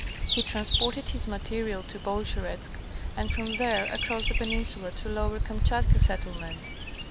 He transported his material to Bolsheretsk and from there across the peninsula to Lower Kamchatka settle ment.